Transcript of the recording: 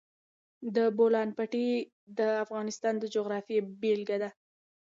د بولان پټي د افغانستان د جغرافیې بېلګه ده.